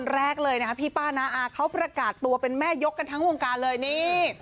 แรกเลยนะคะพี่ป้านาอาเขาประกาศตัวเป็นแม่ยกกันทั้งวงการเลยนี่